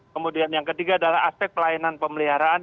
kemudian yang ketiga adalah aspek pelayanan pemeliharaan